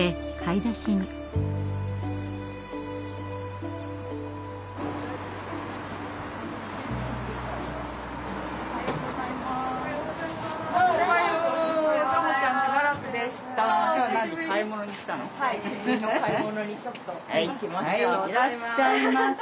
いらっしゃいませ。